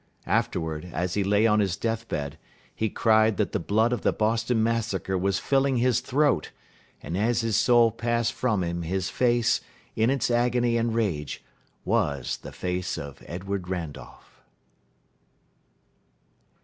Afterward, as he lay on his death bed, he cried that the blood of the Boston massacre was filling his throat, and as his soul passed from him his face, in its agony and rage, was the face of Edward Randolph.